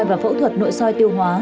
và phẫu thuật nội soi tiêu hóa